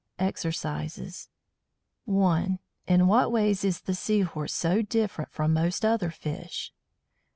EXERCISES 1. In what ways is the Sea horse so different from most other fish?